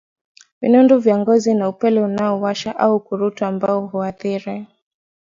Vinundu vya Ngozi na Upele Unaowasha au Ukurutu ambao huathiri